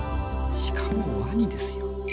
しかもワニですよ。